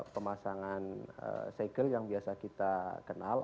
pemasangan segel yang biasa kita kenal